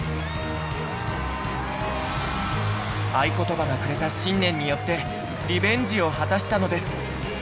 愛ことばがくれた信念によってリベンジを果たしたのです。